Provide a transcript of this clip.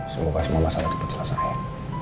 semoga semua masalah itu penjelasan ya